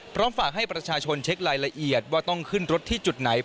พร้อมฝากให้ประชาชนเช็ครายละเอียดว่าต้องขึ้นรถที่จุดไหน